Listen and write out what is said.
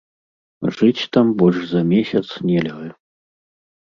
Жыць там больш за месяц нельга.